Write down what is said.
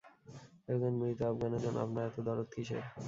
একজন মৃত আফগানের জন্য আপনার এতো দরদ কিসের?